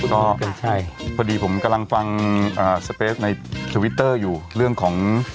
ก็ใช่พอดีผมกำลังฟังอ่าในอยู่เรื่องของ